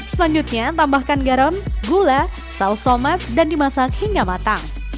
selanjutnya tambahkan garam gula saus tomat dan dimasak hingga matang